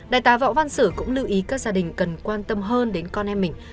đại tá võ văn sử cũng lưu ý các gia đình cần quan tâm hơn đến con em mình